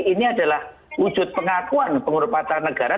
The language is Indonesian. ini adalah wujud pengakuan pengurupan negara